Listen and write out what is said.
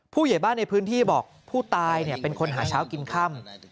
ผู้ใหญ่บ้านในพื้นที่บอกผู้ตายเป็นคนหาเช้ากินค่ำ